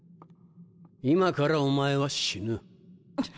今からお前は死ぬ。